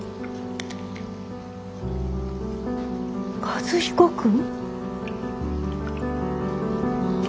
和彦君。